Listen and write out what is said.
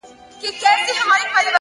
ژور فکر تېروتنې کموي!.